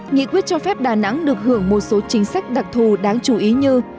nghị quyết cho phép đà nẵng được hưởng một số chính sách đặc thù đáng chú ý như